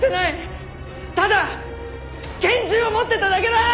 ただ拳銃を持ってただけだ！